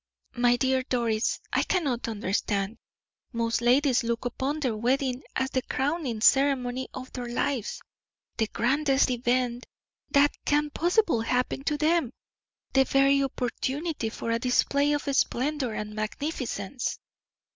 "My dear Doris, I cannot understand. Most ladies look upon their wedding as the crowning ceremony of their lives, the grandest event that can possibly happen to them the very opportunity for a display of splendor and magnificence."